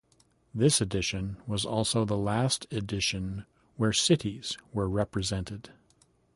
This edition was also the last edition where cities were represented.